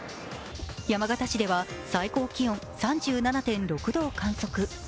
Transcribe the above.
山形市では、最高気温３７．６度を観測。